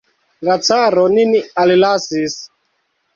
La caro nin allasis.